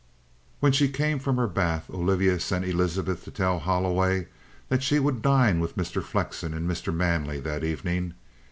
When she came from her bath Olivia sent Elizabeth to tell Holloway that she would dine with Mr. Flexen and Mr. Manley that evening.